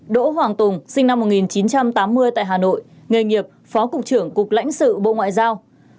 đỗ hoàng tùng sinh năm một nghìn chín trăm tám mươi tại hà nội nghề nghiệp phó cục trưởng cục lãnh sự bộ ngoại giao